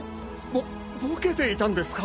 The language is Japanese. ボボケていたんですか？